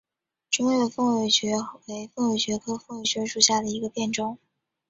中越凤尾蕨为凤尾蕨科凤尾蕨属下的一个变种。